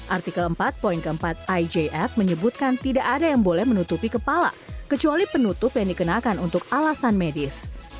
artikel empat keempat ijf menyebutkan tidak ada yang boleh menutupi kepala kecuali penutup yang dikenakan untuk alasan medis